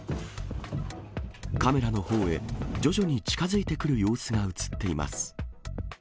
カメラのほうへ徐々に近づいてくる様子が写っています。